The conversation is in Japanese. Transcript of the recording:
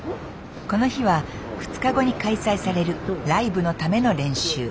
この日は２日後に開催されるライブのための練習。